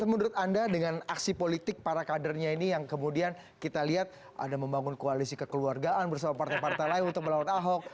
tapi menurut anda dengan aksi politik para kadernya ini yang kemudian kita lihat ada membangun koalisi kekeluargaan bersama partai partai lain untuk melawan ahok